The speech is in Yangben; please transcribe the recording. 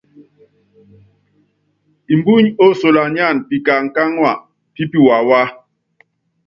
Mbuny osolanyáan pikaŋkáŋua pi piwawá.